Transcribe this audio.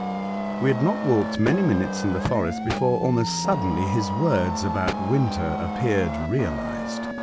We had not walked many minutes in the forest before, almost suddenly, his Avords about winter appeared realised.